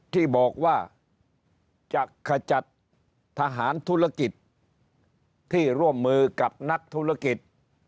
ที่บอกว่าจะขจัดทหารธุรกิจที่ร่วมมือกับนักธุรกิจ